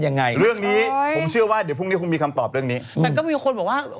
คุณถือชูรูปนี้และกัน